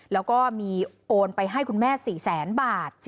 แล้วก็มีโอนไปให้คุณแม่๔แสนบาท